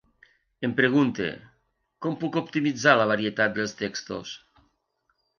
Em pregunte: com puc optimitzar la varietat dels textos?